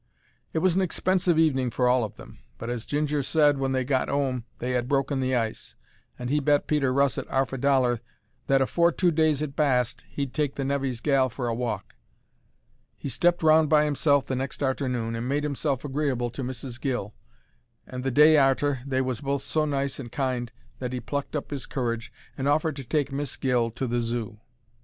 It was an expensive evening for all of them, but as Ginger said when they got 'ome they 'ad broken the ice, and he bet Peter Russet 'arf a dollar that afore two days 'ad passed he'd take the nevy's gal for a walk. He stepped round by 'imself the next arternoon and made 'imself agreeable to Mrs. Gill, and the day arter they was both so nice and kind that 'e plucked up 'is courage and offered to take Miss Gill to the Zoo.